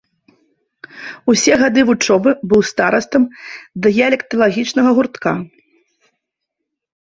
Усе гады вучобы быў старастам дыялекталагічнага гуртка.